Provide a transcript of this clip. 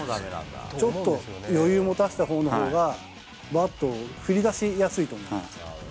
ちょっと余裕を持たせたほうが、バットを振りだしやすいと思う。